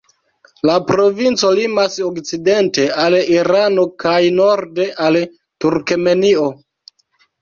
La provinco limas okcidente al Irano kaj norde al Turkmenio.